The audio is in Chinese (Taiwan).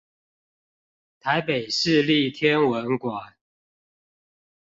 臺北市立天文館